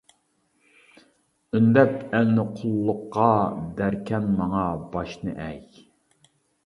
ئۈندەپ ئەلنى قۇللۇققا، دەركەن ماڭا باشنى ئەگ.